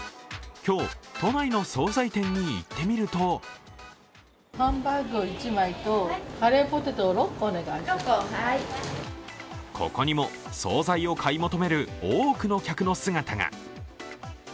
今日、都内の総菜店に行ってみるとここにも総菜を買い求める多くの客の姿が。